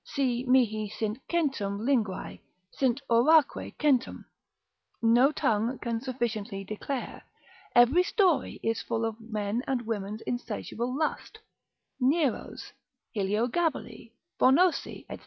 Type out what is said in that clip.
Si mihi sint centum linguae, sint oraque centum, no tongue can sufficiently declare, every story is full of men and women's insatiable lust, Nero's, Heliogabali, Bonosi, &c.